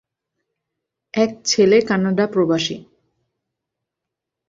এক ছেলে কানাডা প্রবাসী।